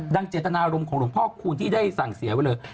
เจตนารมณ์ของหลวงพ่อคูณที่ได้สั่งเสียไว้เลย